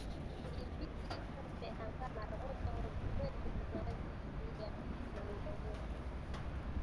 Kudhibiti kupe angaa mara moja kwa mwezi kunaweza kuzuia ugonjwa huu